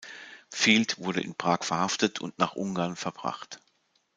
Field wurde in Prag verhaftet und nach Ungarn verbracht.